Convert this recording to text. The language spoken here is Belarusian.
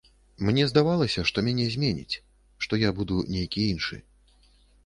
Мне здавалася, што мяне зменіць, што я буду нейкі іншы.